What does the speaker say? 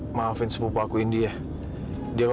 memang extremely sukar nggak ada t dieta